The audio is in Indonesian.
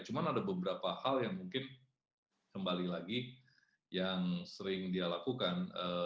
cuma ada beberapa hal yang mungkin kembali lagi yang sering dia lakukan